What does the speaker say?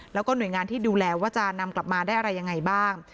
แล้วก็หน่วยงานที่ดูแลว่าจะนำกลับมาได้อะไรยังไงบ้าง